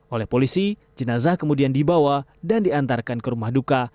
oleh polisi jenazah kemudian dibawa dan diantarkan ke rumah duka